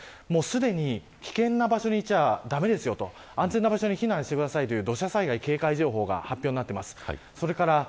すでに危険な場所に居ちゃ駄目ですよと安全な場所に避難してくださいという土砂災害警戒情報が発表になっています。